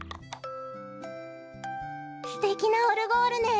すてきなオルゴールね。